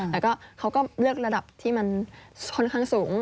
แต่เขาก็เลือกระดับที่มันค่อนข้างสูง